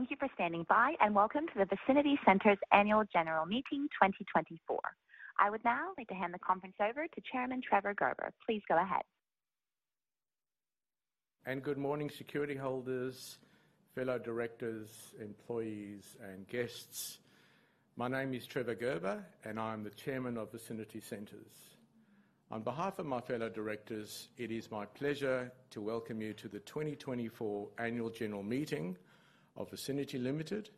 Thank you for standing by, and welcome to the Vicinity Centres' annual general meeting 2024. I would now like to hand the conference over to Chairman Trevor Gerber. Please go ahead. Good morning, security holders, fellow directors, employees, and guests. My name is Trevor Gerber, and I'm the Chairman of Vicinity Centres. On behalf of my fellow directors, it is my pleasure to welcome you to the 2024 Annual General Meeting of Vicinity Limited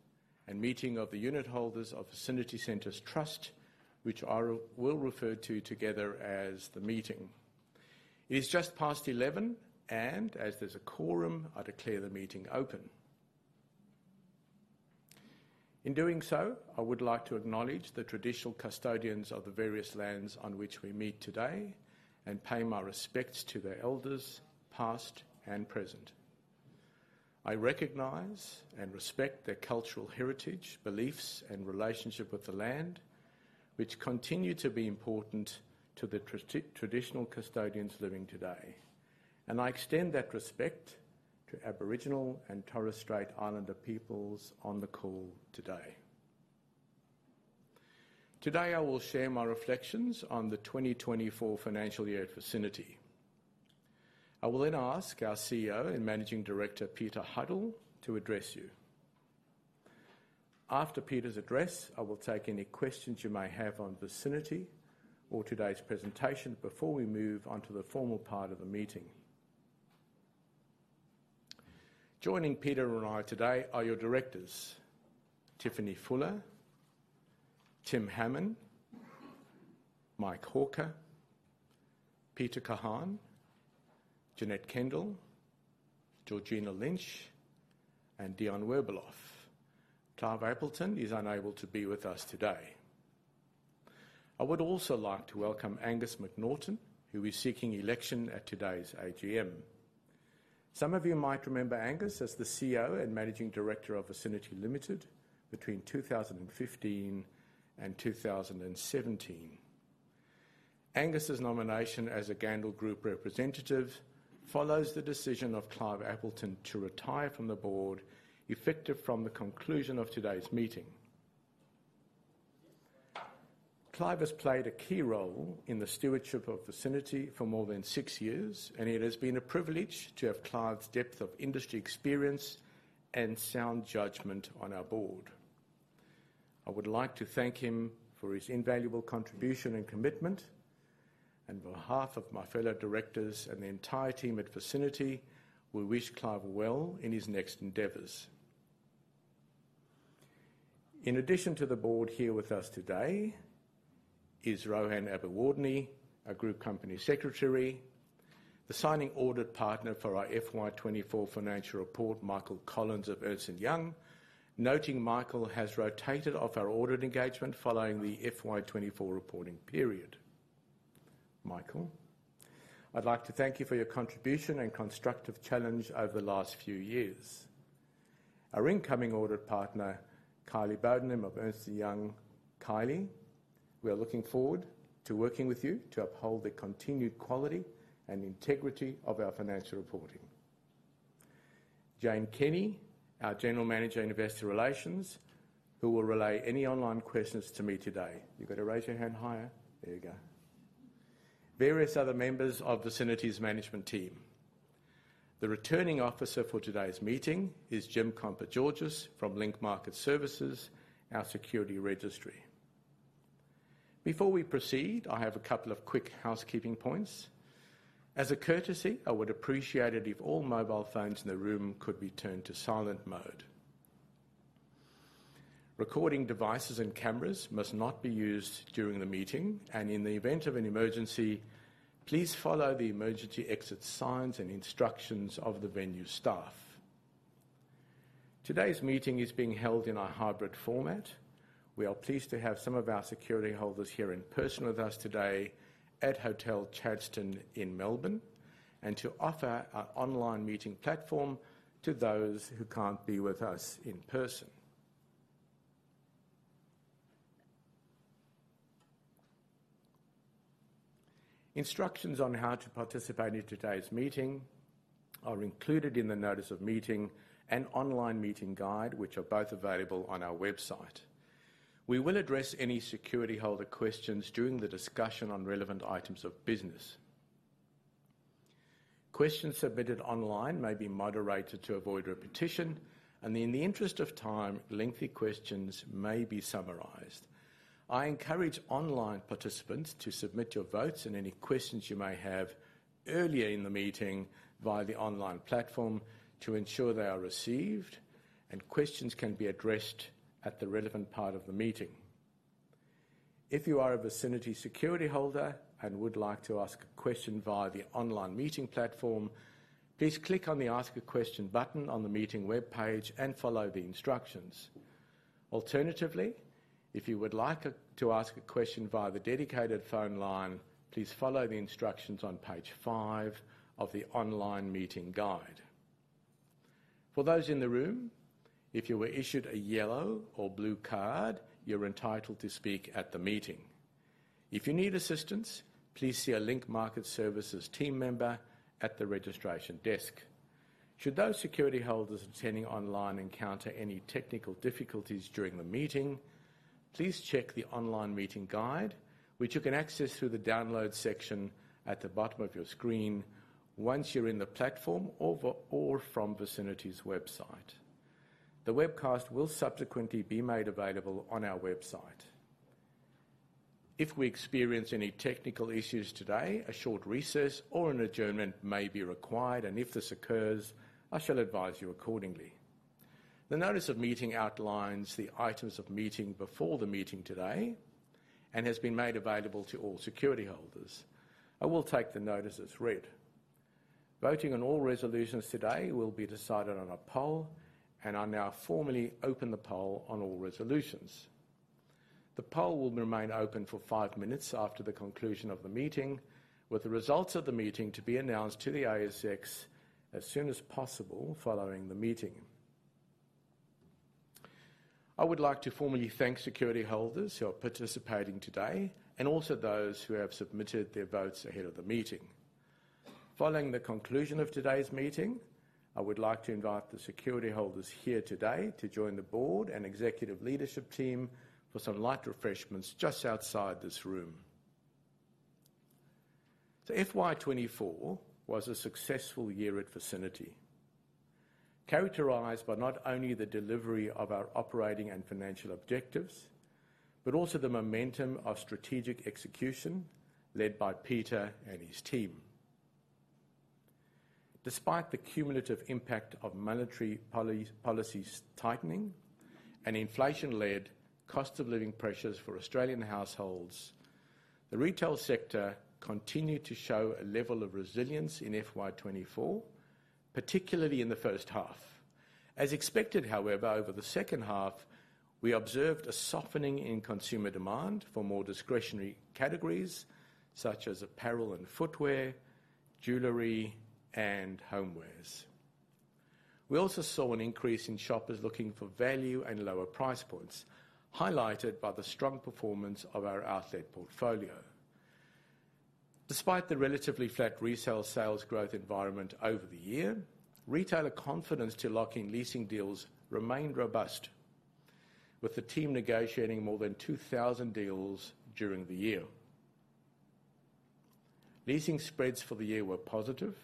and meeting of the unit holders of Vicinity Centres Trust, which I will refer to together as the meeting. It is just past 11:00 A.M., and as there's a quorum, I declare the meeting open. In doing so, I would like to acknowledge the traditional custodians of the various lands on which we meet today and pay my respects to their elders, past and present. I recognize and respect their cultural heritage, beliefs, and relationship with the land, which continue to be important to the traditional custodians living today, and I extend that respect to Aboriginal and Torres Strait Islander peoples on the call today. Today, I will share my reflections on the 2024 financial year at Vicinity. I will then ask our CEO and Managing Director, Peter Huddle, to address you. After Peter's address, I will take any questions you may have on Vicinity or today's presentation before we move on to the formal part of the meeting. Joining Peter and I today are your directors: Tiffany Fuller, Tim Hammon, Mike Hawker, Peter Kahan, Janette Kendall, Georgina Lynch, and Dion Werbeloff. Clive Appleton is unable to be with us today. I would also like to welcome Angus McNaughton, who is seeking election at today's AGM. Some of you might remember Angus as the CEO and Managing Director of Vicinity Limited between 2015 and 2017. Angus's nomination as a Gandel Group representative follows the decision of Clive Appleton to retire from the Board, effective from the conclusion of today's meeting. Clive has played a key role in the stewardship of Vicinity for more than six years, and it has been a privilege to have Clive's depth of industry experience and sound judgment on our Board. I would like to thank him for his invaluable contribution and commitment, and on behalf of my fellow directors and the entire team at Vicinity, we wish Clive well in his next endeavors. In addition to the Board here with us today is Rohan Abeyewardene, our Group Company Secretary. The signing audit partner for our FY 2024 financial report, Michael Collins of Ernst & Young. Noting Michael has rotated off our audit engagement following the FY 2024 reporting period. Michael, I'd like to thank you for your contribution and constructive challenge over the last few years. Our incoming audit partner, Kylie Bowden, of Ernst & Young. Kylie, we are looking forward to working with you to uphold the continued quality and integrity of our financial reporting. Jane Kenny, our General Manager, Investor Relations, who will relay any online questions to me today. You've got to raise your hand higher. There you go. Various other members of Vicinity's management team. The Returning Officer for today's meeting is Jim Kompogiorgas from Link Market Services, our security registry. Before we proceed, I have a couple of quick housekeeping points. As a courtesy, I would appreciate it if all mobile phones in the room could be turned to silent mode. Recording devices and cameras must not be used during the meeting, and in the event of an emergency, please follow the emergency exit signs and instructions of the venue staff. Today's meeting is being held in a hybrid format. We are pleased to have some of our security holders here in person with us today at Hotel Chadstone in Melbourne, and to offer our online meeting platform to those who can't be with us in person. Instructions on how to participate in today's meeting are included in the notice of meeting and online meeting guide, which are both available on our website. We will address any security holder questions during the discussion on relevant items of business. Questions submitted online may be moderated to avoid repetition, and in the interest of time, lengthy questions may be summarized. I encourage online participants to submit your votes and any questions you may have earlier in the meeting via the online platform to ensure they are received, and questions can be addressed at the relevant part of the meeting. If you are a Vicinity security holder and would like to ask a question via the online meeting platform, please click on the Ask a Question button on the meeting webpage and follow the instructions. Alternatively, if you would like to ask a question via the dedicated phone line, please follow the instructions on page five of the online meeting guide. For those in the room, if you were issued a yellow or blue card, you're entitled to speak at the meeting. If you need assistance, please see a Link Market Services team member at the registration desk. Should those security holders attending online encounter any technical difficulties during the meeting, please check the online meeting guide, which you can access through the Download section at the bottom of your screen once you're in the platform or from Vicinity's website. The webcast will subsequently be made available on our website. If we experience any technical issues today, a short recess or an adjournment may be required, and if this occurs, I shall advise you accordingly. The notice of meeting outlines the items of meeting before the meeting today and has been made available to all security holders. I will take the notice as read. Voting on all resolutions today will be decided on a poll, and I now formally open the poll on all resolutions. The poll will remain open for five minutes after the conclusion of the meeting, with the results of the meeting to be announced to the ASX as soon as possible following the meeting. I would like to formally thank security holders who are participating today, and also those who have submitted their votes ahead of the meeting. Following the conclusion of today's meeting, I would like to invite the security holders here today to join the Board and executive leadership team for some light refreshments just outside this room. The FY 2024 was a successful year at Vicinity, characterized by not only the delivery of our operating and financial objectives, but also the momentum of strategic execution led by Peter and his team. Despite the cumulative impact of monetary policies tightening and inflation-led cost of living pressures for Australian households, the retail sector continued to show a level of resilience in FY 2024, particularly in the first half. As expected, however, over the second half, we observed a softening in consumer demand for more discretionary categories such as apparel and footwear, jewelry, and homewares. We also saw an increase in shoppers looking for value and lower price points, highlighted by the strong performance of our asset portfolio. Despite the relatively flat retail sales growth environment over the year, retailer confidence to lock in leasing deals remained robust, with the team negotiating more than 2,000 deals during the year. Leasing spreads for the year were positive.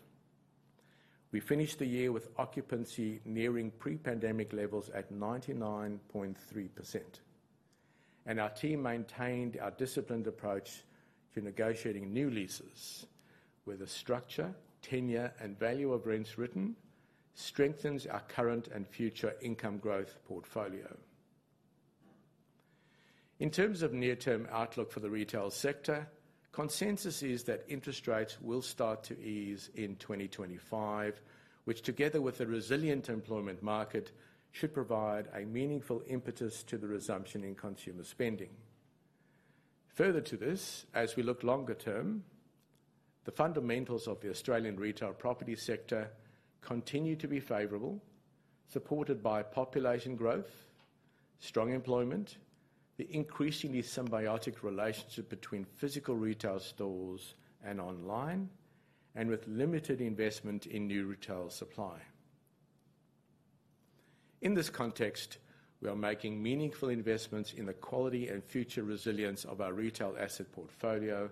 We finished the year with occupancy nearing pre-pandemic levels at 99.3%, and our team maintained our disciplined approach to negotiating new leases, where the structure, tenure, and value of rents written strengthens our current and future income growth portfolio. In terms of near-term outlook for the retail sector, consensus is that interest rates will start to ease in 2025, which, together with a resilient employment market, should provide a meaningful impetus to the resumption in consumer spending. Further to this, as we look longer term, the fundamentals of the Australian retail property sector continue to be favorable, supported by population growth, strong employment, the increasingly symbiotic relationship between physical retail stores and online, and with limited investment in new retail supply. In this context, we are making meaningful investments in the quality and future resilience of our retail asset portfolio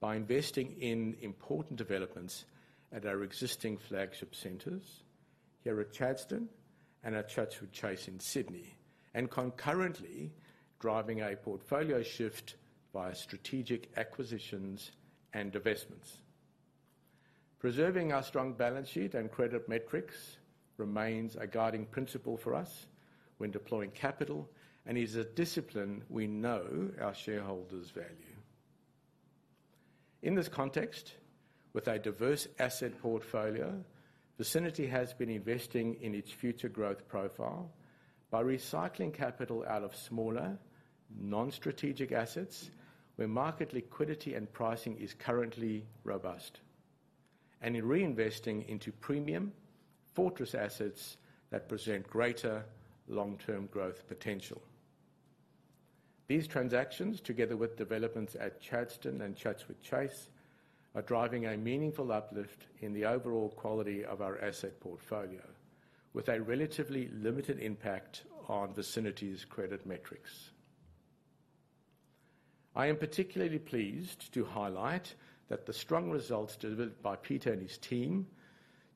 by investing in important developments at our existing flagship centers here at Chadstone and at Chatswood Chase in Sydney, and concurrently driving a portfolio shift by strategic acquisitions and divestments. Preserving our strong balance sheet and credit metrics remains a guiding principle for us when deploying capital and is a discipline we know our shareholders value. In this context, with a diverse asset portfolio, Vicinity has been investing in its future growth profile by recycling capital out of smaller, non-strategic assets where market liquidity and pricing is currently robust, and in reinvesting into premium fortress assets that present greater long-term growth potential. These transactions, together with developments at Chadstone and Chatswood Chase, are driving a meaningful uplift in the overall quality of our asset portfolio with a relatively limited impact on Vicinity's credit metrics. I am particularly pleased to highlight that the strong results delivered by Peter and his team,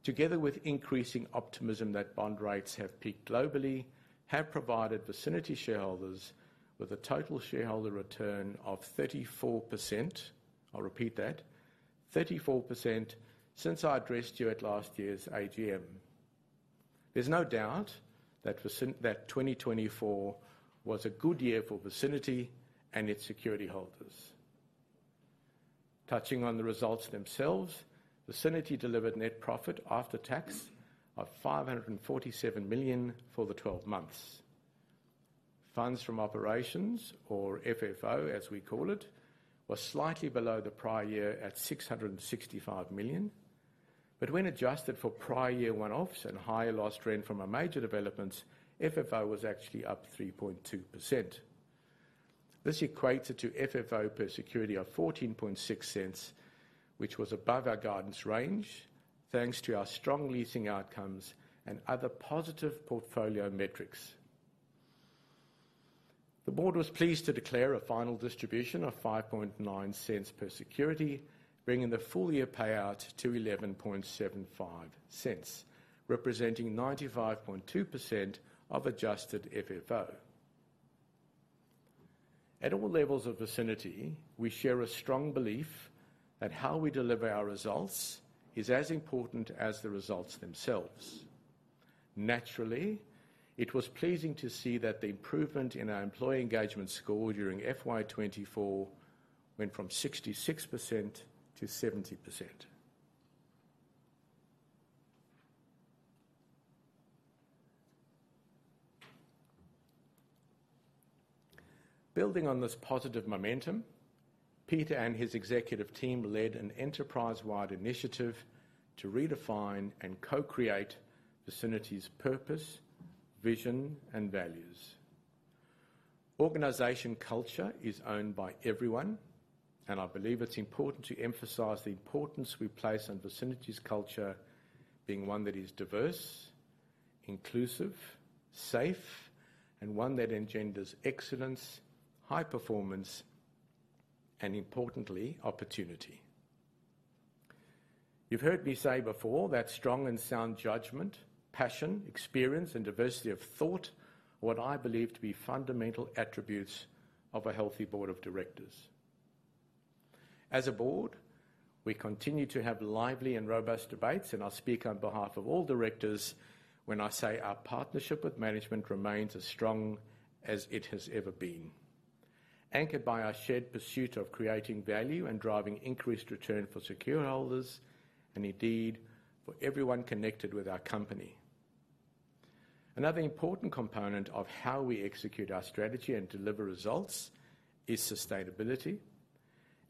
together with increasing optimism that bond rates have peaked globally, have provided Vicinity shareholders with a total shareholder return of 34%. I'll repeat that, 34% since I addressed you at last year's AGM. There's no doubt that that 2024 was a good year for Vicinity and its security holders. Touching on the results themselves, Vicinity delivered net profit after tax of 547 million for the 12 months. Funds from operations, or FFO, as we call it, were slightly below the prior year at 665 million. But when adjusted for prior year one-offs and higher lost rent from our major developments, FFO was actually up 3.2%. This equated to FFO per security of 0.146, which was above our guidance range, thanks to our strong leasing outcomes and other positive portfolio metrics. The Board was pleased to declare a final distribution of 0.059 per security, bringing the full year payout to 0.1175, representing 95.2% of adjusted FFO. At all levels of Vicinity, we share a strong belief that how we deliver our results is as important as the results themselves. Naturally, it was pleasing to see that the improvement in our employee engagement score during FY 2024 went from 66% to 70%. Building on this positive momentum, Peter and his executive team led an enterprise-wide initiative to redefine and co-create Vicinity's purpose, vision, and values. Organization culture is owned by everyone, and I believe it's important to emphasize the importance we place on Vicinity's culture being one that is diverse, inclusive, safe, and one that engenders excellence, high performance, and importantly, opportunity. You've heard me say before that strong and sound judgment, passion, experience, and diversity of thought are what I believe to be fundamental attributes of a healthy Board of directors. As a Board, we continue to have lively and robust debates, and I speak on behalf of all directors when I say our partnership with management remains as strong as it has ever been, anchored by our shared pursuit of creating value and driving increased return for security holders and indeed for everyone connected with our company. Another important component of how we execute our strategy and deliver results is sustainability.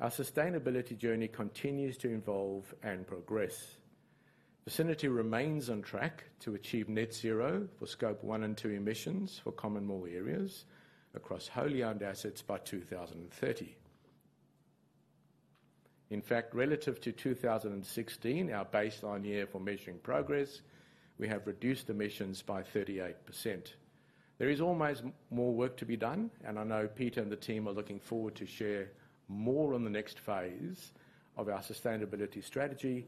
Our sustainability journey continues to evolve and progress. Vicinity remains on track to achieve net zero for Scope 1 and 2 emissions for common mall areas across wholly owned assets by 2030. In fact, relative to 2016, our baseline year for measuring progress, we have reduced emissions by 38%. There is always more work to be done, and I know Peter and the team are looking forward to share more on the next phase of our sustainability strategy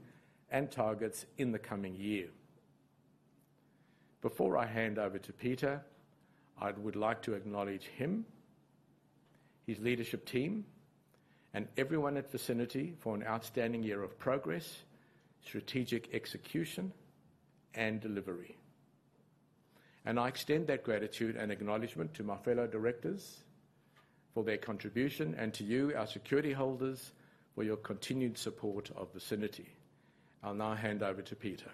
and targets in the coming year. Before I hand over to Peter, I would like to acknowledge him, his leadership team, and everyone at Vicinity for an outstanding year of progress, strategic execution, and delivery. I extend that gratitude and acknowledgement to my fellow directors for their contribution and to you, our security holders, for your continued support of Vicinity. I'll now hand over to Peter.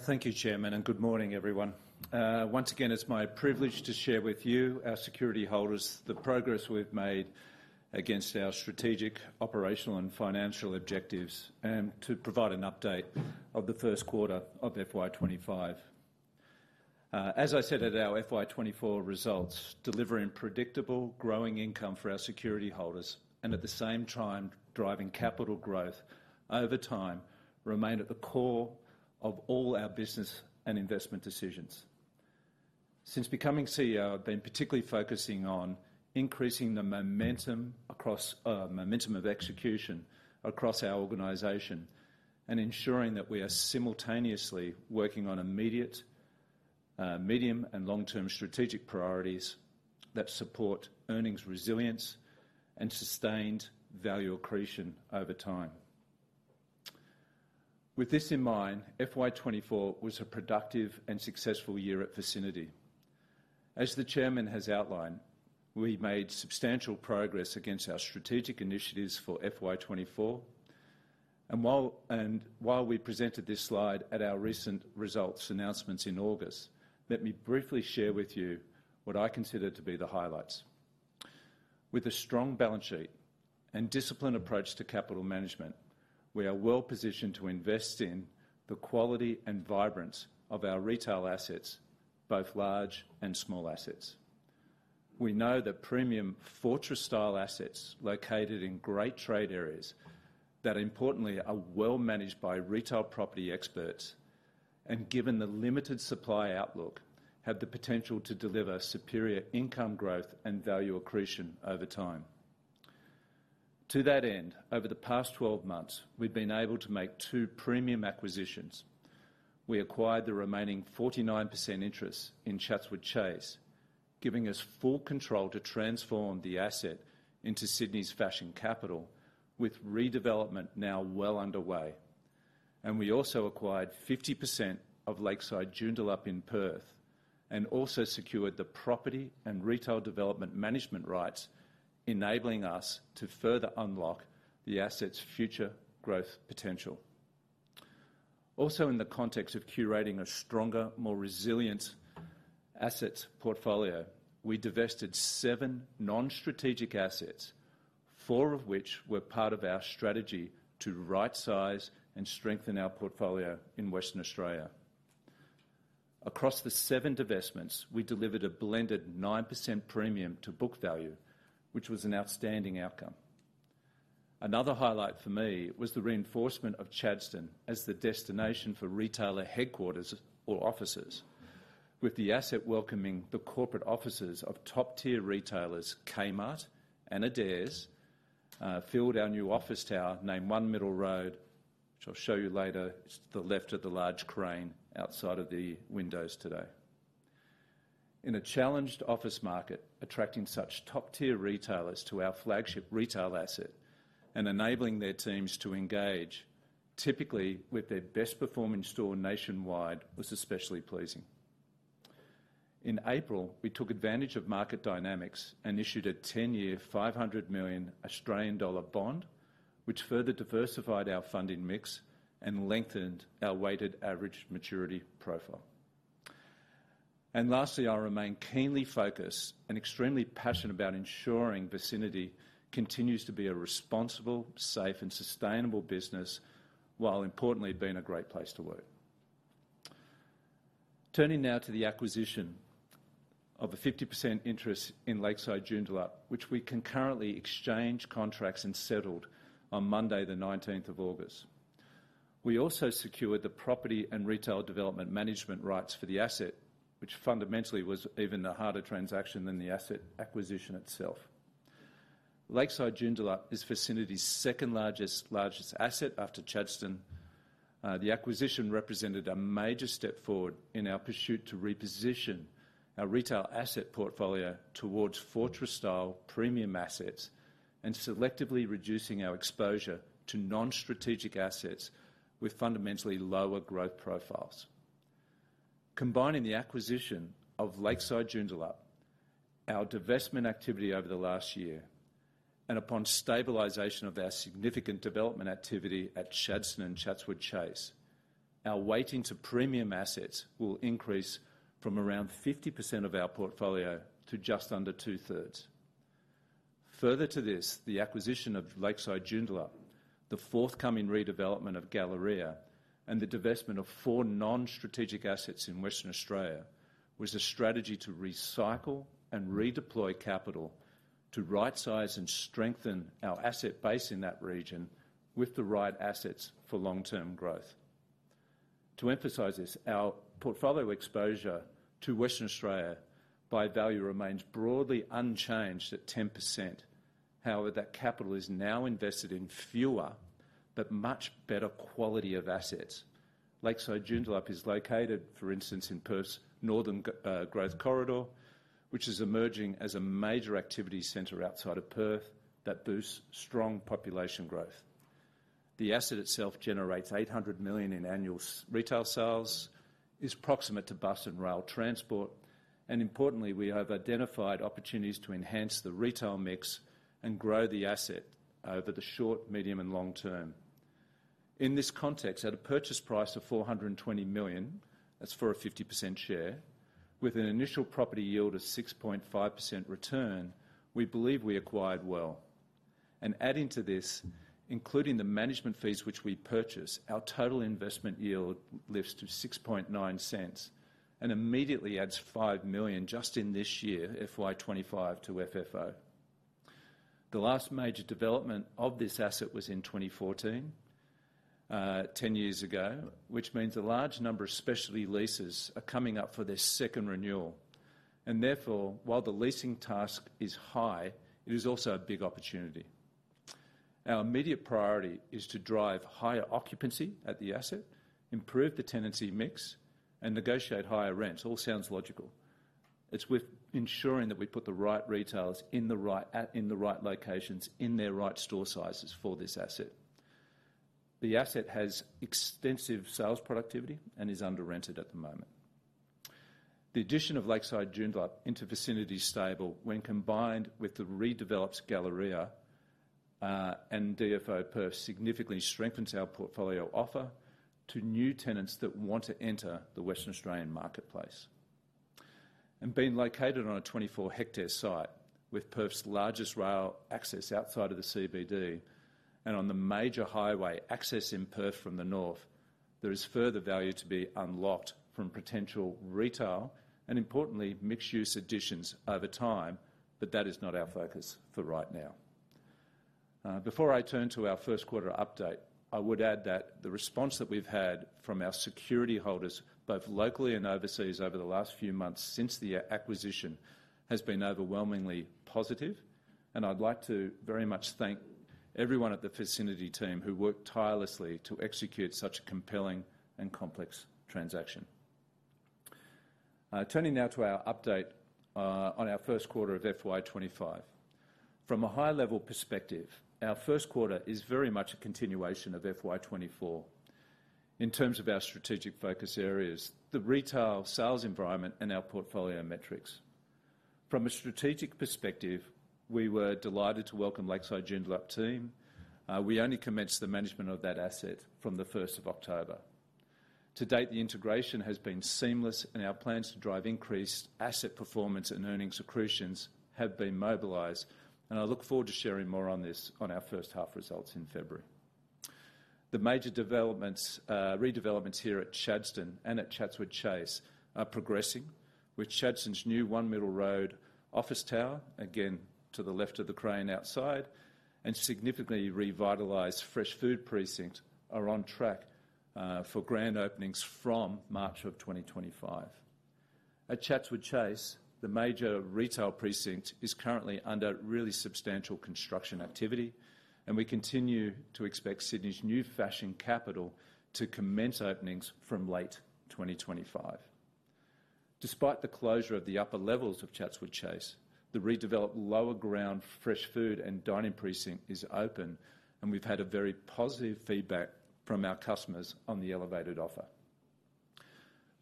Thank you, Chairman, and good morning, everyone. Once again, it's my privilege to share with you, our security holders, the progress we've made against our strategic, operational, and financial objectives, and to provide an update of the first quarter of FY 2025. As I said at our FY 2024 results, delivering predictable, growing income for our security holders and at the same time, driving capital growth over time, remain at the core of all our business and investment decisions. Since becoming CEO, I've been particularly focusing on increasing the momentum across, momentum of execution across our organization and ensuring that we are simultaneously working on immediate, medium, and long-term strategic priorities that support earnings resilience and sustained value accretion over time. With this in mind, FY 2024 was a productive and successful year at Vicinity. As the Chairman has outlined, we made substantial progress against our strategic initiatives for FY 2024, and while we presented this slide at our recent results announcements in August, let me briefly share with you what I consider to be the highlights. With a strong balance sheet and disciplined approach to capital management, we are well positioned to invest in the quality and vibrancy of our retail assets, both large and small assets. We know that premium fortress-style assets located in great trade areas, that importantly, are well managed by retail property experts, and given the limited supply outlook, have the potential to deliver superior income growth and value accretion over time. To that end, over the past 12 months, we've been able to make two premium acquisitions. We acquired the remaining 49% interest in Chatswood Chase, giving us full control to transform the asset into Sydney's fashion capital, with redevelopment now well underway, and we also acquired 50% of Lakeside Joondalup in Perth, and also secured the property and retail development management rights, enabling us to further unlock the asset's future growth potential. Also, in the context of curating a stronger, more resilient asset portfolio, we divested seven non-strategic assets, four of which were part of our strategy to rightsize and strengthen our portfolio in Western Australia. Across the seven divestments, we delivered a blended 9% premium to book value, which was an outstanding outcome. Another highlight for me was the reinforcement of Chadstone as the destination for retailer headquarters or offices, with the asset welcoming the corporate offices of top-tier retailers Kmart and Adairs, filled our new office tower, named One Middle Road, which I'll show you later. It's to the left of the large crane outside of the windows today. In a challenged office market, attracting such top-tier retailers to our flagship retail asset and enabling their teams to engage, typically with their best-performing store nationwide, was especially pleasing. In April, we took advantage of market dynamics and issued a 10-year, 500 million Australian dollar bond, which further diversified our funding mix and lengthened our weighted average maturity profile. And lastly, I remain keenly focused and extremely passionate about ensuring Vicinity continues to be a responsible, safe, and sustainable business, while importantly, being a great place to work. Turning now to the acquisition of a 50% interest in Lakeside Joondalup, which we concurrently exchanged contracts and settled on Monday, the nineteenth of August. We also secured the property and retail development management rights for the asset, which fundamentally was even a harder transaction than the asset acquisition itself. Lakeside Joondalup is Vicinity's second-largest, largest asset after Chadstone. The acquisition represented a major step forward in our pursuit to reposition our retail asset portfolio towards fortress-style premium assets and selectively reducing our exposure to non-strategic assets with fundamentally lower growth profiles. Combining the acquisition of Lakeside Joondalup, our divestment activity over the last year, and upon stabilisation of our significant development activity at Chadstone and Chatswood Chase, our weighting to premium assets will increase from around 50% of our portfolio to just under two-thirds. Further to this, the acquisition of Lakeside Joondalup, the forthcoming redevelopment of Galleria, and the divestment of four non-strategic assets in Western Australia, was a strategy to recycle and redeploy capital to rightsize and strengthen our asset base in that region with the right assets for long-term growth. To emphasize this, our portfolio exposure to Western Australia by value remains broadly unchanged at 10%. However, that capital is now invested in fewer but much better quality of assets. Lakeside Joondalup is located, for instance, in Perth's northern growth corridor, which is emerging as a major activity center outside of Perth that boosts strong population growth. The asset itself generates 800 million in annual retail sales, is proximate to bus and rail transport, and importantly, we have identified opportunities to enhance the retail mix and grow the asset over the short, medium, and long term. In this context, at a purchase price of 420 million, that's for a 50% share, with an initial property yield of 6.5% return, we believe we acquired well. And adding to this, including the management fees which we purchase, our total investment yield lifts to 0.069 and immediately adds 5 million just in this year, FY 2025, to FFO. The last major development of this asset was in 2014, 10 years ago, which means a large number of specialty leases are coming up for their second renewal, and therefore, while the leasing task is high, it is also a big opportunity. Our immediate priority is to drive higher occupancy at the asset, improve the tenancy mix, and negotiate higher rents. It all sounds logical. It's with ensuring that we put the right retailers in the right locations, in their right store sizes for this asset. The asset has extensive sales productivity and is under-rented at the moment. The addition of Lakeside Joondalup into Vicinity's stable, when combined with the redeveloped Galleria and DFO Perth, significantly strengthens our portfolio offer to new tenants that want to enter the Western Australian marketplace. Being located on a 24-hectare site with Perth's largest rail access outside of the CBD, and on the major highway access in Perth from the north, there is further value to be unlocked from potential retail and importantly, mixed-use additions over time, but that is not our focus for right now. Before I turn to our first quarter update, I would add that the response that we've had from our security holders, both locally and overseas, over the last few months since the acquisition, has been overwhelmingly positive, and I'd like to very much thank everyone at the Vicinity team who worked tirelessly to execute such a compelling and complex transaction. Turning now to our update on our first quarter of FY 2025. From a high-level perspective, our first quarter is very much a continuation of FY 2024 in terms of our strategic focus areas, the retail sales environment, and our portfolio metrics. From a strategic perspective, we were delighted to welcome Lakeside Joondalup team. We only commenced the management of that asset from the first of October. To date, the integration has been seamless, and our plans to drive increased asset performance and earnings accretions have been mobilized, and I look forward to sharing more on this on our first half results in February. The major developments, redevelopments here at Chadstone and at Chatswood Chase are progressing, with Chadstone's new One Middle Road office tower, again, to the left of the crane outside, and significantly revitalized fresh food precinct are on track, for grand openings from March of 2025. At Chatswood Chase, the major retail precinct is currently under really substantial construction activity, and we continue to expect Sydney's new fashion capital to commence openings from late 2025. Despite the closure of the upper levels of Chatswood Chase, the redeveloped lower ground fresh food and dining precinct is open, and we've had a very positive feedback from our customers on the elevated offer.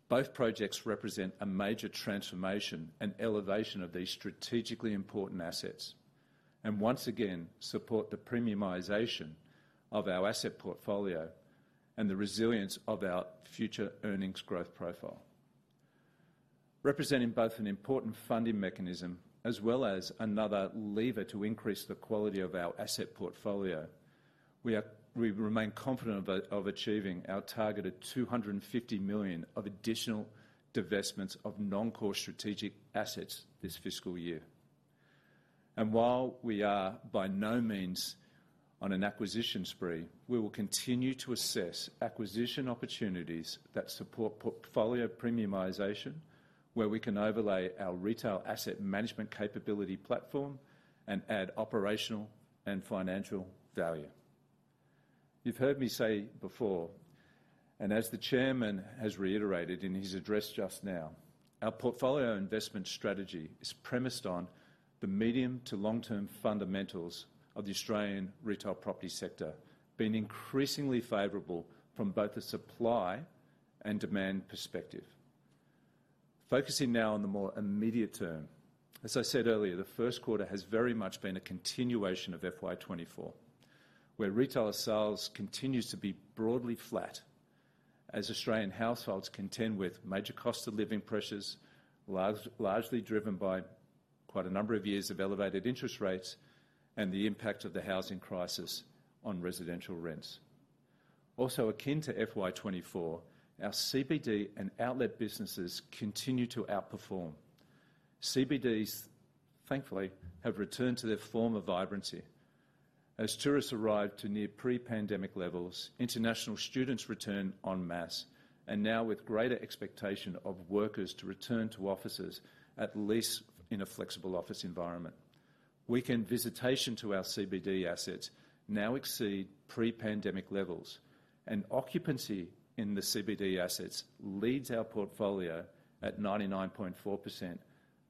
Both projects represent a major transformation and elevation of these strategically important assets, and once again, support the premiumization of our asset portfolio and the resilience of our future earnings growth profile. Representing both an important funding mechanism as well as another lever to increase the quality of our asset portfolio, we remain confident about achieving our targeted 250 million of additional divestments of non-core strategic assets this fiscal year. While we are by no means on an acquisition spree, we will continue to assess acquisition opportunities that support portfolio premiumization, where we can overlay our retail asset management capability platform and add operational and financial value. You've heard me say before, and as the Chairman has reiterated in his address just now, our portfolio investment strategy is premised on the medium to long-term fundamentals of the Australian retail property sector being increasingly favorable from both a supply and demand perspective. Focusing now on the more immediate term, as I said earlier, the first quarter has very much been a continuation of FY 2024, where retailer sales continues to be broadly flat as Australian households contend with major cost of living pressures, largely driven by quite a number of years of elevated interest rates and the impact of the housing crisis on residential rents. Also, akin to FY 2024, our CBD and outlet businesses continue to outperform. CBDs, thankfully, have returned to their former vibrancy. As tourists arrive to near pre-pandemic levels, international students return en masse, and now with greater expectation of workers to return to offices, at least in a flexible office environment. Weekend visitation to our CBD assets now exceed pre-pandemic levels, and occupancy in the CBD assets leads our portfolio at 99.4%,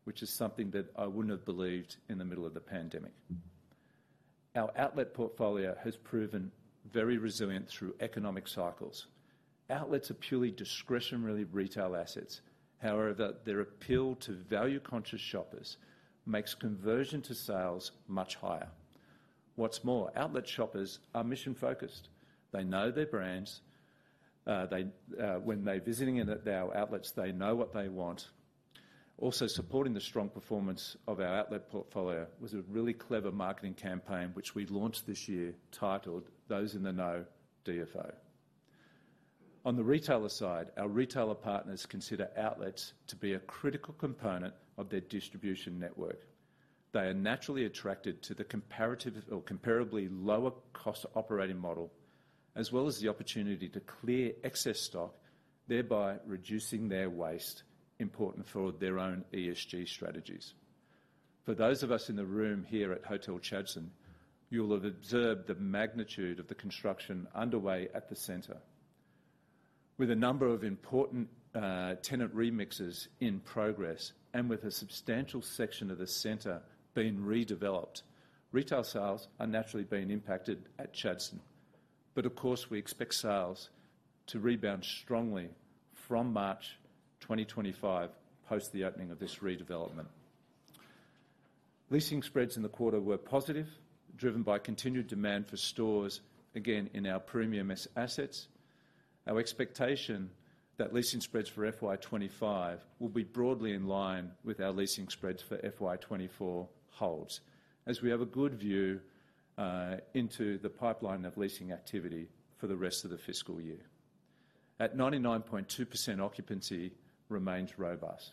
which is something that I wouldn't have believed in the middle of the pandemic. Our outlet portfolio has proven very resilient through economic cycles. Outlets are purely discretionary retail assets. However, their appeal to value-conscious shoppers makes conversion to sales much higher. What's more, outlet shoppers are mission-focused. They know their brands. When they're visiting in at our outlets, they know what they want. Also, supporting the strong performance of our outlet portfolio was a really clever marketing campaign, which we launched this year, titled Those in the Know DFO. On the retailer side, our retailer partners consider outlets to be a critical component of their distribution network. They are naturally attracted to the comparative or comparably lower cost operating model, as well as the opportunity to clear excess stock, thereby reducing their waste, important for their own ESG strategies. For those of us in the room here at Hotel Chadstone, you'll have observed the magnitude of the construction underway at the center. With a number of important tenant remixes in progress and with a substantial section of the center being redeveloped, retail sales are naturally being impacted at Chadstone. But of course, we expect sales to rebound strongly from March 2025, post the opening of this redevelopment. Leasing spreads in the quarter were positive, driven by continued demand for stores, again, in our premium assets. Our expectation that leasing spreads for FY 2025 will be broadly in line with our leasing spreads for FY 2024 holds, as we have a good view into the pipeline of leasing activity for the rest of the fiscal year. At 99.2%, occupancy remains robust,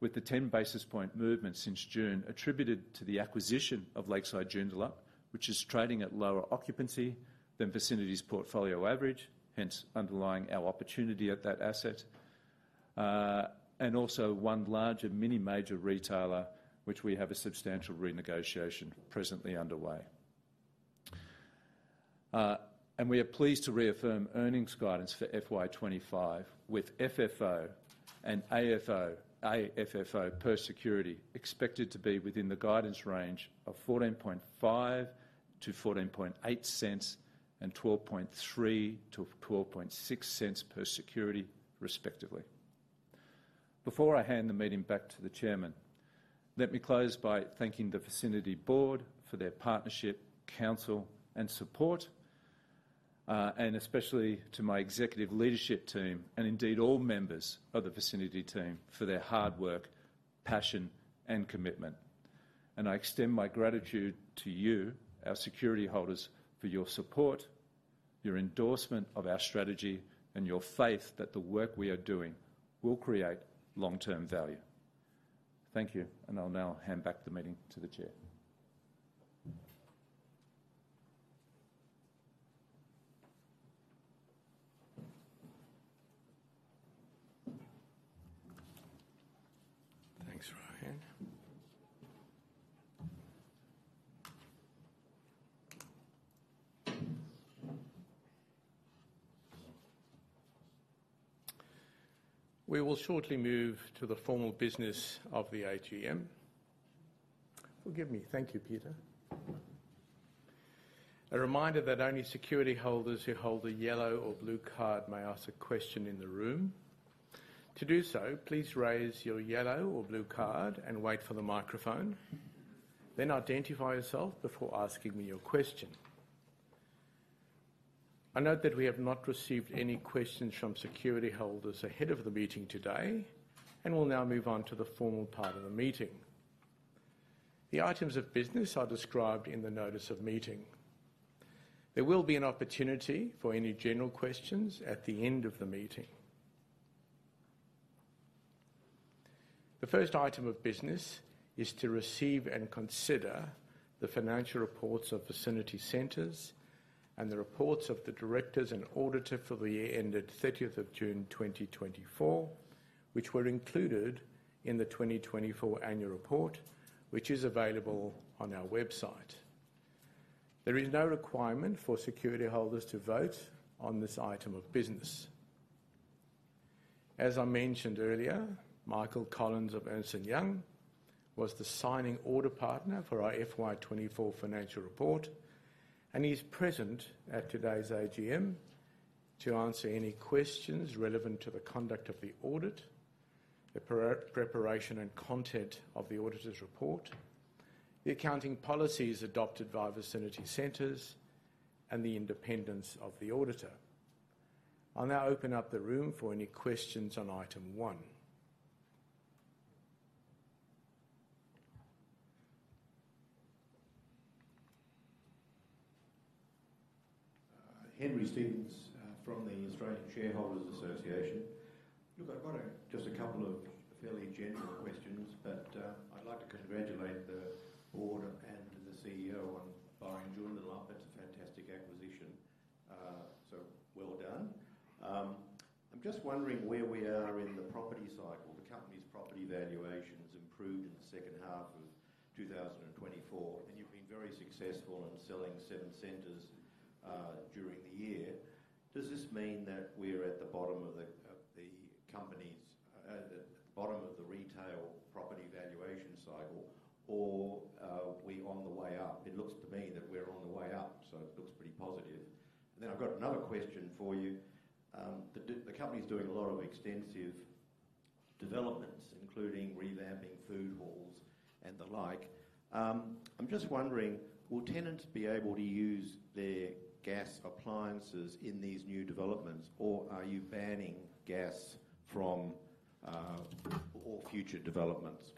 with the 10 basis point movement since June attributed to the acquisition of Lakeside Joondalup, which is trading at lower occupancy than Vicinity's portfolio average, hence underlying our opportunity at that asset, and also one larger mini major retailer, which we have a substantial renegotiation presently underway, and we are pleased to reaffirm earnings guidance for FY 2025, with FFO and AFFO per security expected to be within the guidance range of 0.145-0.148, and 0.123-0.126 per security, respectively. Before I hand the meeting back to the Chairman, let me close by thanking the Vicinity Board for their partnership, counsel, and support, and especially to my executive leadership team and indeed all members of the Vicinity team for their hard work, passion, and commitment. And I extend my gratitude to you, our security holders, for your support, your endorsement of our strategy, and your faith that the work we are doing will create long-term value. Thank you, and I'll now hand back the meeting to the chair. Thanks, Ryan. We will shortly move to the formal business of the AGM. Forgive me. Thank you, Peter. A reminder that only security holders who hold a yellow or blue card may ask a question in the room. To do so, please raise your yellow or blue card and wait for the microphone, then identify yourself before asking me your question. I note that we have not received any questions from security holders ahead of the meeting today, and we'll now move on to the formal part of the meeting. The items of business are described in the notice of meeting. There will be an opportunity for any general questions at the end of the meeting. The first item of business is to receive and consider the financial reports of Vicinity Centres and the reports of the directors and auditor for the year ended thirtieth of June, 2024, which were included in the 2024 annual report, which is available on our website. There is no requirement for security holders to vote on this item of business. As I mentioned earlier, Michael Collins of Ernst & Young was the signing audit partner for our FY 2024 financial report, and he's present at today's AGM to answer any questions relevant to the conduct of the audit, the preparation and content of the auditor's report, the accounting policies adopted by Vicinity Centres, and the independence of the auditor. I'll now open up the room for any questions on item one. [Henry Stevens] from the Australian Shareholders Association. Look, I've got just a couple of fairly general questions, but I'd like to congratulate the Board and the CEO on buying Joondalup. That's a fantastic acquisition. So well done. I'm just wondering where we are in the property cycle. The company's property valuations improved in the second half of 2024, and you've been very successful in selling seven centers during the year. Does this mean that we're at the bottom of the company's retail property valuation cycle, or are we on the way up? It looks to me that we're on the way up, so it looks pretty positive. I've got another question for you. The company's doing a lot of extensive developments, including revamping food halls and the like. I'm just wondering, will tenants be able to use their gas appliances in these new developments, or are you banning gas from all future developments?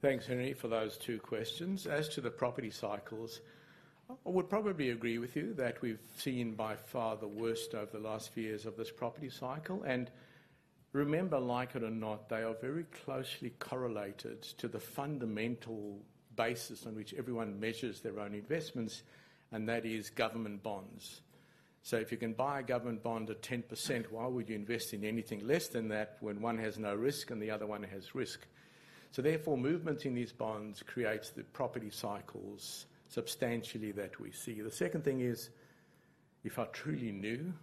Thanks, Henry, for those two questions. As to the property cycles, I would probably agree with you that we've seen by far the worst over the last few years of this property cycle. And remember, like it or not, they are very closely correlated to the fundamental basis on which everyone measures their own investments, and that is government bonds. So if you can buy a government bond at 10%, why would you invest in anything less than that when one has no risk and the other one has risk? So therefore, movements in these bonds creates the property cycles substantially that we see. The second thing is, if I truly knew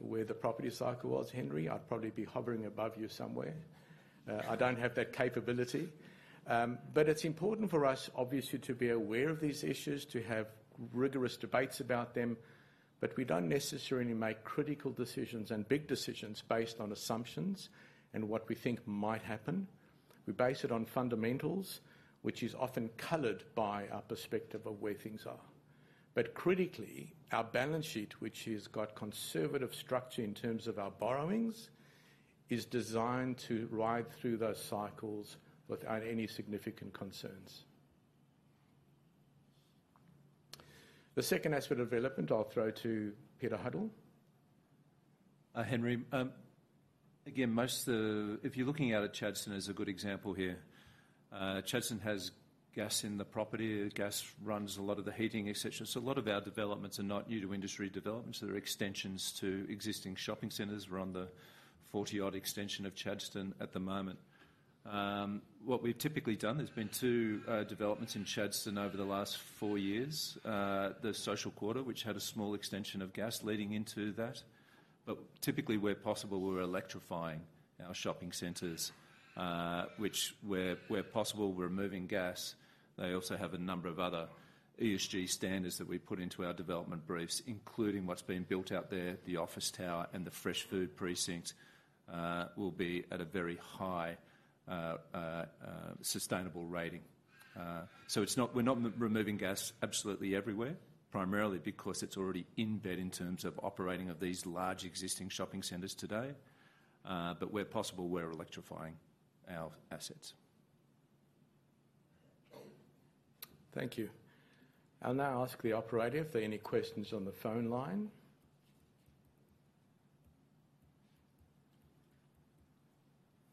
where the property cycle was, Henry, I'd probably be hovering above you somewhere. I don't have that capability. But it's important for us, obviously, to be aware of these issues, to have rigorous debates about them, but we don't necessarily make critical decisions and big decisions based on assumptions and what we think might happen. We base it on fundamentals, which is often colored by our perspective of where things are. But critically, our balance sheet, which has got conservative structure in terms of our borrowings, is designed to ride through those cycles without any significant concerns. The second aspect of development, I'll throw to Peter Huddle. Henry, again, most of the... If you're looking out at Chadstone as a good example here, Chadstone has gas in the property. Gas runs a lot of the heating, et cetera. So a lot of our developments are not new to industry developments. They're extensions to existing shopping centers. We're on the 40-odd extension of Chadstone at the moment. What we've typically done, there's been two developments in Chadstone over the last four years. The Social Quarter, which had a small extension of gas leading into that. But typically, where possible, we're electrifying our shopping centers, which, where possible, we're removing gas. They also have a number of other ESG standards that we put into our development briefs, including what's being built out there, the office tower and the fresh food precincts, will be at a very high sustainable rating. So it's not removing gas absolutely everywhere, primarily because it's already embedded in terms of operation of these large existing shopping centers today. But where possible, we're electrifying our assets. Thank you. I'll now ask the operator if there are any questions on the phone line.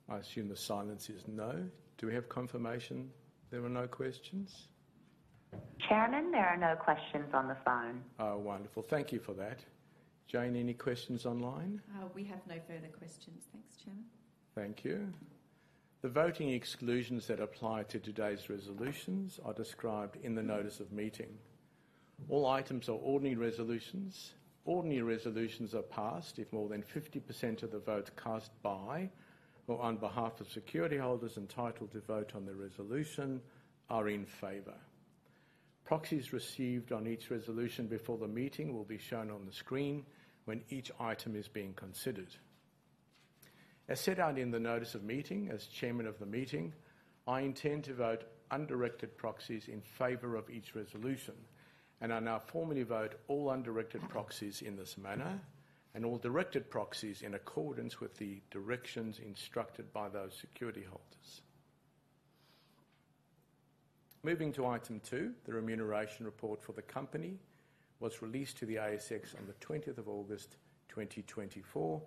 I assume the silence is no. Do we have confirmation there were no questions? Chairman, there are no questions on the phone. Oh, wonderful. Thank you for that. Jane, any questions online? We have no further questions. Thanks, Chairman. Thank you. The voting exclusions that apply to today's resolutions are described in the notice of meeting. All items are ordinary resolutions. Ordinary resolutions are passed if more than 50% of the votes cast by or on behalf of security holders entitled to vote on the resolution are in favor. Proxies received on each resolution before the meeting will be shown on the screen when each item is being considered. As set out in the notice of meeting, as Chairman of the meeting, I intend to vote undirected proxies in favor of each resolution, and I now formally vote all undirected proxies in this manner, and all directed proxies in accordance with the directions instructed by those security holders. Moving to item two, the remuneration report for the company was released to the ASX on the twentieth of August, 2024,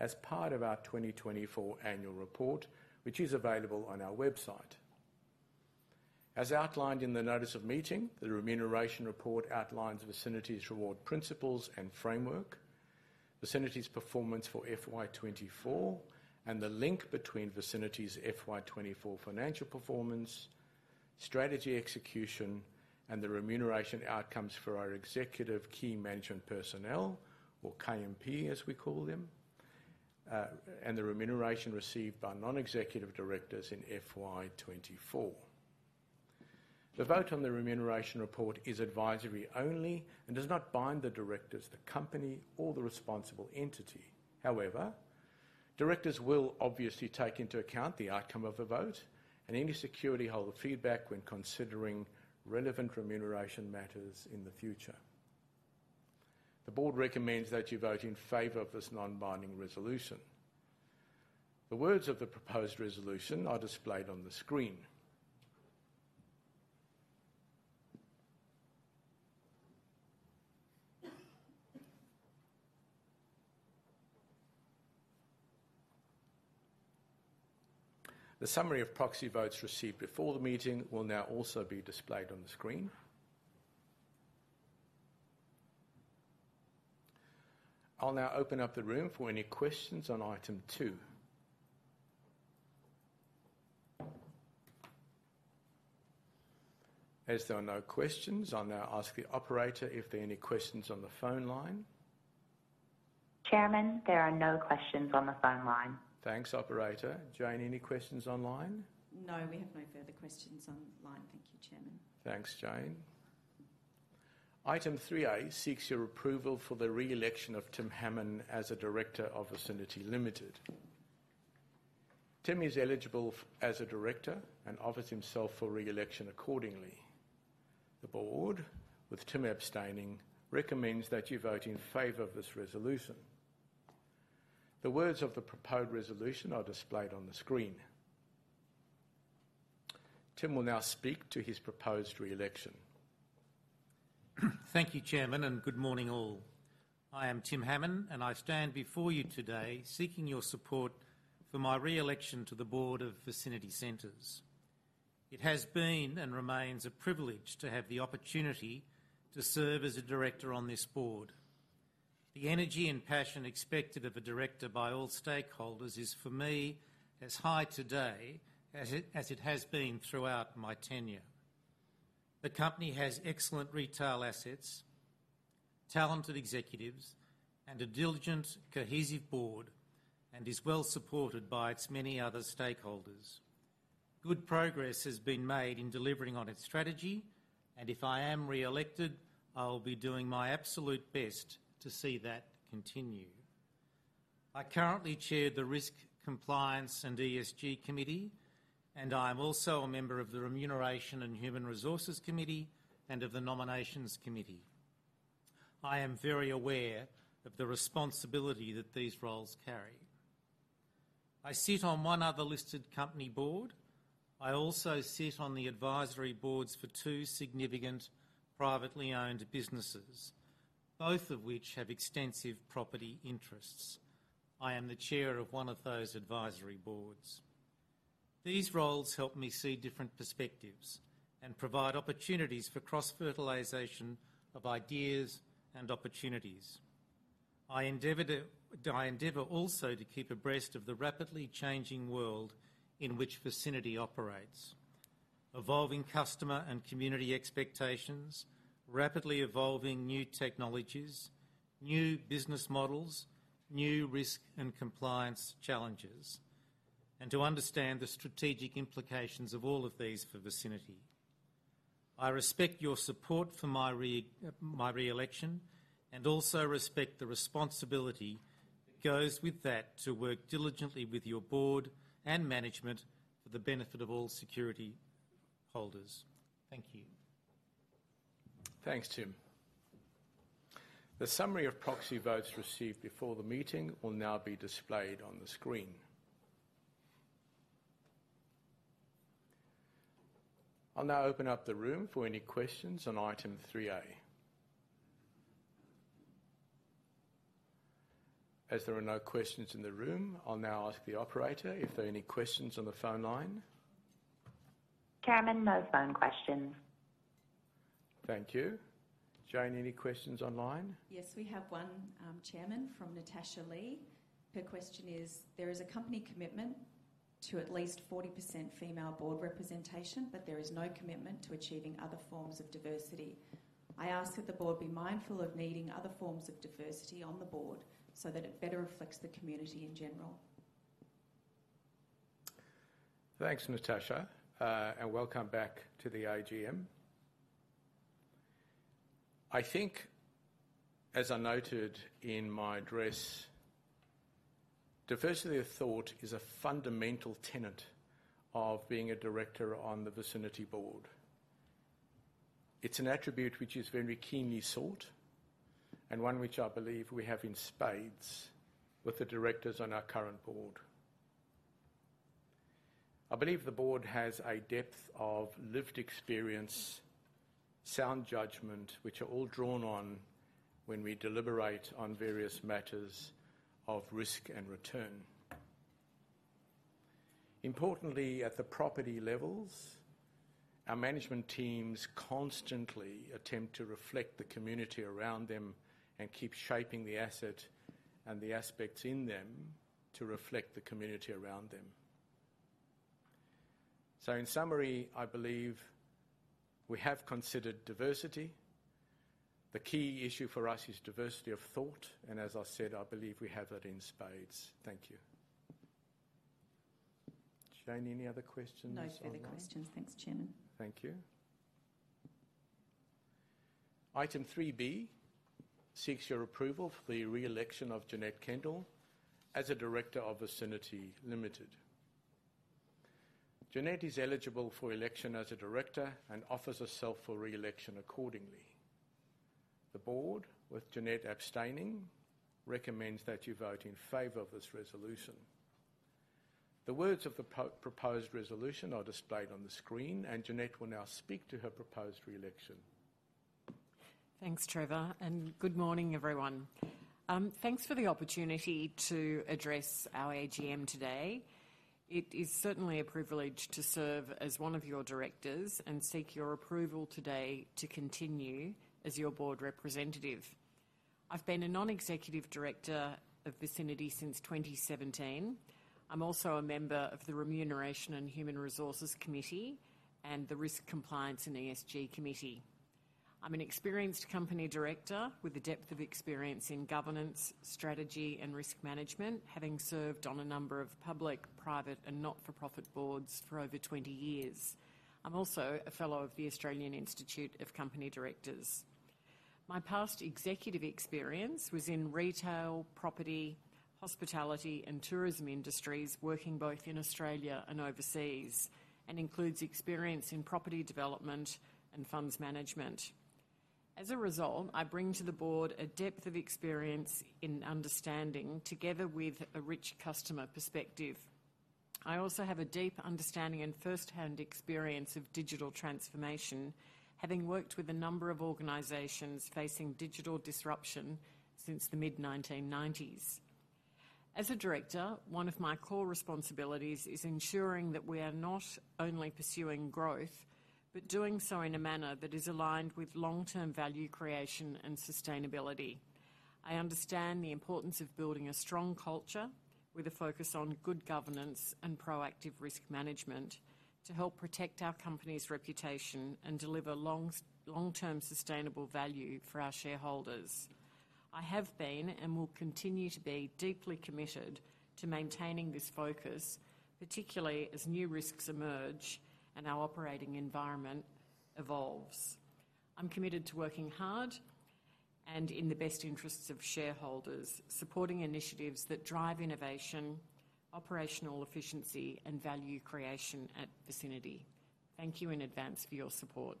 as part of our 2024 annual report, which is available on our website. As outlined in the notice of meeting, the remuneration report outlines Vicinity's reward, principles, and framework, Vicinity's performance for FY 2024, and the link between Vicinity's FY 2024 financial performance, strategy execution, and the remuneration outcomes for our executive key management personnel, or KMP, as we call them, and the remuneration received by non-executive directors in FY 2024. The vote on the remuneration report is advisory only and does not bind the directors, the company, or the responsible entity. However, directors will obviously take into account the outcome of a vote and any security holder feedback when considering relevant remuneration matters in the future. The Board recommends that you vote in favor of this non-binding resolution. The words of the proposed resolution are displayed on the screen. The summary of proxy votes received before the meeting will now also be displayed on the screen. I'll now open up the room for any questions on item two. As there are no questions, I'll now ask the operator if there are any questions on the phone line. Chairman, there are no questions on the phone line. Thanks, Operator. Jane, any questions online? No, we have no further questions online. Thank you, Chairman. Thanks, Jane. Item three A seeks your approval for the re-election of Tim Hammon as a director of Vicinity Limited. Tim is eligible as a director and offers himself for re-election accordingly. The Board, with Tim abstaining, recommends that you vote in favor of this resolution. The words of the proposed resolution are displayed on the screen. Tim will now speak to his proposed re-election. Thank you, Chairman, and good morning, all. I am Tim Hammon, and I stand before you today seeking your support for my re-election to the Board of Vicinity Centres. It has been and remains a privilege to have the opportunity to serve as a director on this Board. The energy and passion expected of a director by all stakeholders is, for me, as high today as it has been throughout my tenure. The company has excellent retail assets, talented executives, and a diligent, cohesive Board, and is well supported by its many other stakeholders. Good progress has been made in delivering on its strategy, and if I am re-elected, I will be doing my absolute best to see that continue. I currently chair the Risk, Compliance, and ESG Committee, and I'm also a member of the Remuneration and Human Resources Committee and of the Nominations Committee. I am very aware of the responsibility that these roles carry. I sit on one other listed company Board. I also sit on the Advisory Boards for two significant privately owned businesses, both of which have extensive property interests. I am the chair of one of those Advisory Boards. These roles help me see different perspectives and provide opportunities for cross-fertilization of ideas and opportunities.... I endeavor also to keep abreast of the rapidly changing world in which Vicinity operates. Evolving customer and community expectations, rapidly evolving new technologies, new business models, new risk and compliance challenges, and to understand the strategic implications of all of these for Vicinity. I respect your support for my re-election, and also respect the responsibility that goes with that to work diligently with your Board and management for the benefit of all security holders. Thank you. Thanks, Tim. The summary of proxy votes received before the meeting will now be displayed on the screen. I'll now open up the room for any questions on Item 3A. As there are no questions in the room, I'll now ask the operator if there are any questions on the phone line? Chairman, no phone questions. Thank you. Jane, any questions online? Yes, we have one, Chairman, from Natasha Lee. Her question is: There is a company commitment to at least 40% Female Board representation, but there is no commitment to achieving other forms of diversity. I ask that the Board be mindful of needing other forms of diversity on the Board so that it better reflects the community in general. Thanks, Natasha, and welcome back to the AGM. I think, as I noted in my address, diversity of thought is a fundamental tenet of being a director on the Vicinity Board. It's an attribute which is very keenly sought, and one which I believe we have in spades with the directors on our current Board. I believe the Board has a depth of lived experience, sound judgment, which are all drawn on when we deliberate on various matters of risk and return. Importantly, at the property levels, our management teams constantly attempt to reflect the community around them and keep shaping the asset and the aspects in them to reflect the community around them. So in summary, I believe we have considered diversity. The key issue for us is diversity of thought, and as I said, I believe we have that in spades. Thank you. Jane, any other questions online? No further questions. Thanks, Chairman. Thank you. Item 3B seeks your approval for the re-election of Janette Kendall as a director of Vicinity Limited. Janette is eligible for election as a director and offers herself for re-election accordingly. The Board, with Janette abstaining, recommends that you vote in favor of this resolution. The words of the proposed resolution are displayed on the screen, and Janette will now speak to her proposed re-election. Thanks, Trevor, and good morning, everyone. Thanks for the opportunity to address our AGM today. It is certainly a privilege to serve as one of your directors and seek your approval today to continue as your Board representative. I've been a non-executive director of Vicinity since 2017. I'm also a member of the Remuneration and Human Resources Committee and the Risk, Compliance and ESG Committee. I'm an experienced company director with a depth of experience in governance, strategy, and risk management, having served on a number of public, private, and not-for-profit Boards for over 20 years. I'm also a fellow of the Australian Institute of Company Directors. My past executive experience was in retail, property, hospitality, and tourism industries, working both in Australia and overseas, and includes experience in property development and funds management. As a result, I bring to the Board a depth of experience in understanding, together with a rich customer perspective. I also have a deep understanding and firsthand experience of digital transformation, having worked with a number of organizations facing digital disruption since the mid-1990s. As a director, one of my core responsibilities is ensuring that we are not only pursuing growth, but doing so in a manner that is aligned with long-term value creation and sustainability. I understand the importance of building a strong culture with a focus on good governance and proactive risk management to help protect our company's reputation and deliver long-term sustainable value for our shareholders. I have been and will continue to be deeply committed to maintaining this focus, particularly as new risks emerge and our operating environment evolves. I'm committed to working hard and in the best interests of shareholders, supporting initiatives that drive innovation, operational efficiency, and value creation at Vicinity. Thank you in advance for your support.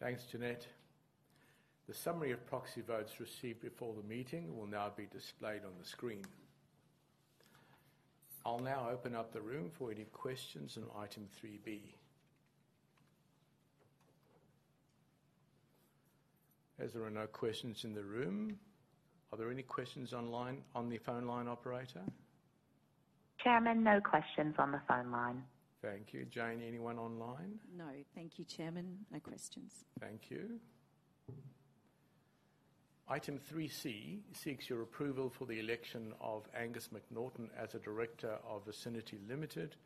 Thanks, Janette. The summary of proxy votes received before the meeting will now be displayed on the screen. I'll now open up the room for any questions on Item three B. As there are no questions in the room, are there any questions online, on the phone line, operator? Chairman, no questions on the phone line. Thank you. Jane, anyone online? No. Thank you, Chairman. No questions. Thank you. Item 3C seeks your approval for the election of Angus McNaughton as a director of Vicinity Limited,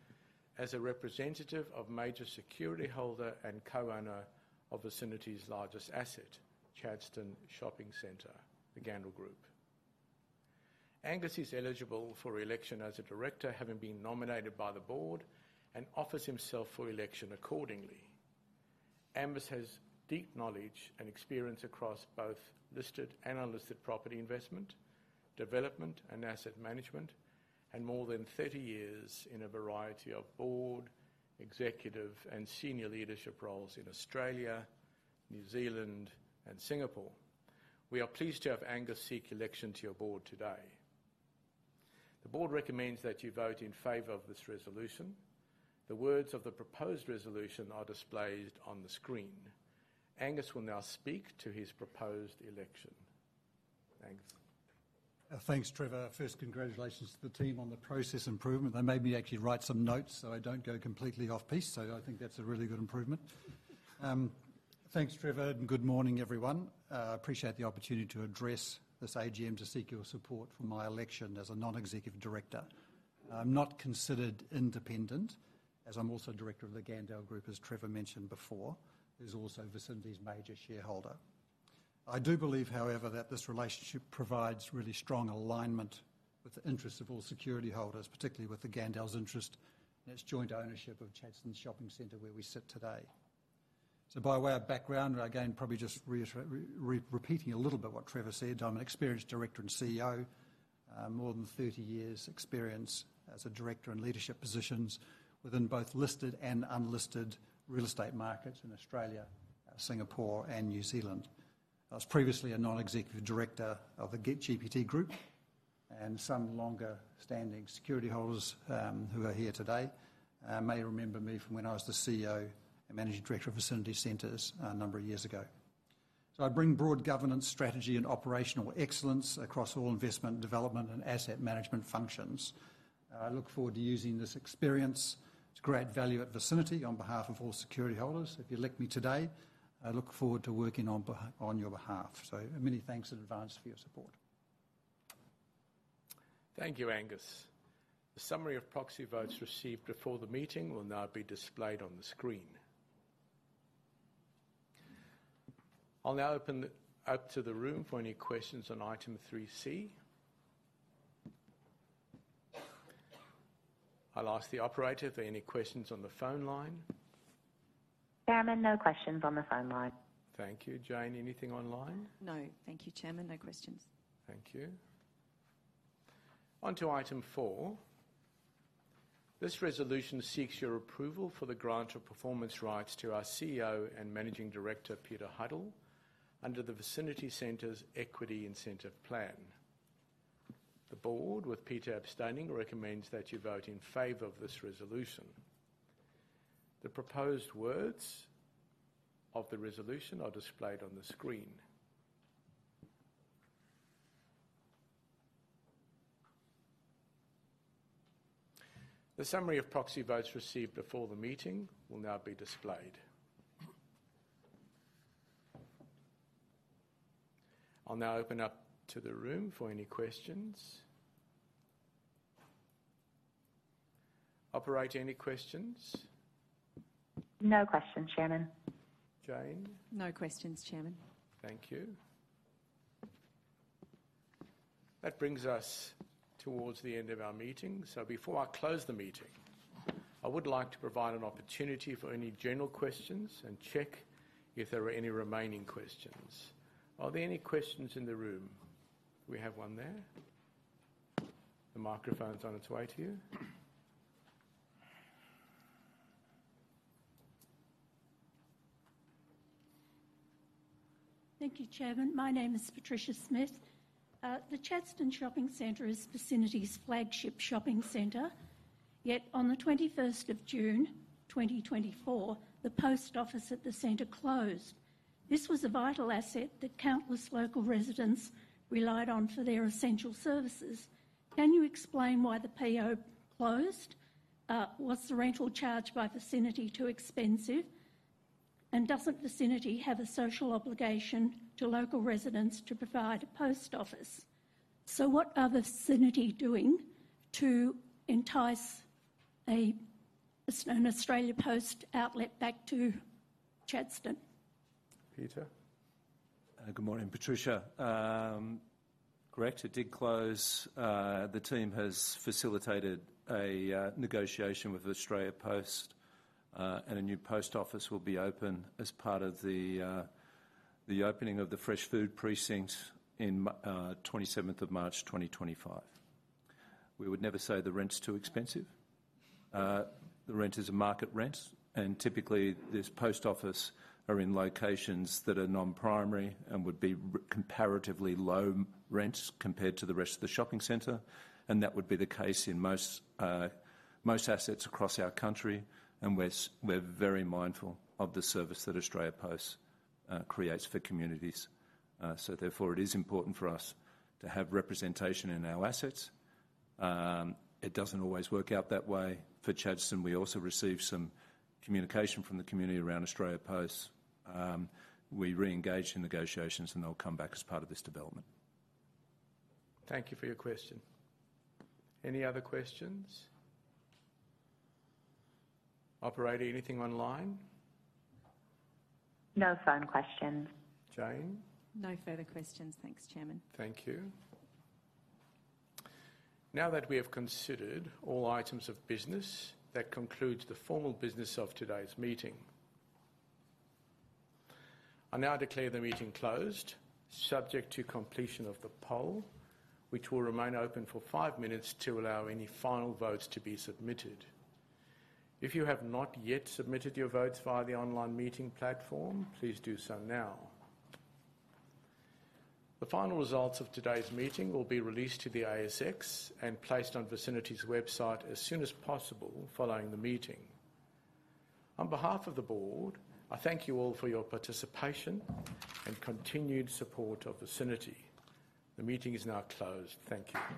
as a representative of major security holder and co-owner of Vicinity's largest asset, Chadstone Shopping Centre, the Gandel Group. Angus is eligible for election as a director, having been nominated by the Board, and offers himself for election accordingly. Angus has deep knowledge and experience across both listed and unlisted property investment, development, and asset management, and more than thirty years in a variety of Board, executive, and senior leadership roles in Australia, New Zealand, and Singapore. We are pleased to have Angus seek election to your Board today. The Board recommends that you vote in favor of this resolution. The words of the proposed resolution are displayed on the screen. Angus will now speak to his proposed election. Angus? Thanks, Trevor. First, congratulations to the team on the process improvement. They made me actually write some notes, so I don't go completely off piste, so I think that's a really good improvement. Thanks, Trevor, and good morning, everyone. I appreciate the opportunity to address this AGM to seek your support for my election as a non-executive director. I'm not considered independent, as I'm also director of The Gandel Group, as Trevor mentioned before, who's also Vicinity's major shareholder. I do believe, however, that this relationship provides really strong alignment with the interests of all security holders, particularly with the Gandel's interest and its joint ownership of Chadstone Shopping Centre, where we sit today. By way of background, and again, probably just repeating a little bit what Trevor said, I'm an experienced director and CEO. More than 30 years' experience as a director in leadership positions within both listed and unlisted real estate markets in Australia, Singapore, and New Zealand. I was previously a non-executive director of The GPT Group, and some longer-standing security holders who are here today may remember me from when I was the CEO and Managing Director of Vicinity Centres a number of years ago. So I bring broad governance, strategy, and operational excellence across all investment development and asset management functions. I look forward to using this experience to create value at Vicinity on behalf of all security holders. If you elect me today, I look forward to working on your behalf. So many thanks in advance for your support. Thank you, Angus. The summary of proxy votes received before the meeting will now be displayed on the screen. I'll now open up to the room for any questions on item 3C. I'll ask the operator if there are any questions on the phone line. Chairman, no questions on the phone line. Thank you. Jane, anything online? No. Thank you, Chairman. No questions. Thank you. On to item four. This resolution seeks your approval for the grant of performance rights to our CEO and Managing Director, Peter Huddle, under the Vicinity Centres Equity Incentive Plan. The Board, with Peter abstaining, recommends that you vote in favor of this resolution. The proposed words of the resolution are displayed on the screen. The summary of proxy votes received before the meeting will now be displayed. I'll now open up to the room for any questions. Operator, any questions? No questions, Chairman. Jane? No questions, Chairman. Thank you. That brings us towards the end of our meeting. So before I close the meeting, I would like to provide an opportunity for any general questions and check if there are any remaining questions. Are there any questions in the room? We have one there. The microphone's on its way to you. Thank you, Chairman. My name is Patricia Smith. The Chadstone Shopping Centre is Vicinity's flagship shopping center. Yet, on the twenty-first of June, 2024, the post office at the center closed. This was a vital asset that countless local residents relied on for their essential services. Can you explain why the PO closed? Was the rental charge by Vicinity too expensive? And doesn't Vicinity have a social obligation to local residents to provide a post office? So what are Vicinity doing to entice an Australia Post outlet back to Chadstone? Peter? Good morning, Patricia. Correct, it did close. The team has facilitated a negotiation with Australia Post, and a new post office will be open as part of the opening of the fresh food precinct in 27th of March, 2025. We would never say the rent's too expensive. The rent is a market rent, and typically, this post office are in locations that are non-primary and would be comparatively low rents compared to the rest of the shopping center, and that would be the case in most assets across our country, and we're very mindful of the service that Australia Post creates for communities, so therefore, it is important for us to have representation in our assets. It doesn't always work out that way. For Chadstone, we also received some communication from the community around Australia Post. We re-engaged in negotiations, and they'll come back as part of this development. Thank you for your question. Any other questions? Operator, anything online? No phone questions. Jane? No further questions. Thanks, Chairman. Thank you. Now that we have considered all items of business, that concludes the formal business of today's meeting. I now declare the meeting closed, subject to completion of the poll, which will remain open for five minutes to allow any final votes to be submitted. If you have not yet submitted your votes via the online meeting platform, please do so now. The final results of today's meeting will be released to the ASX and placed on Vicinity's website as soon as possible following the meeting. On behalf of the Board, I thank you all for your participation and continued support of Vicinity. The meeting is now closed. Thank you.